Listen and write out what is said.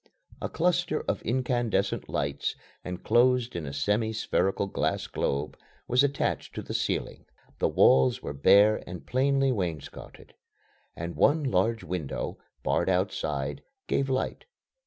A cluster of incandescent lights, enclosed in a semi spherical glass globe, was attached to the ceiling. The walls were bare and plainly wainscotted, and one large window, barred outside, gave light.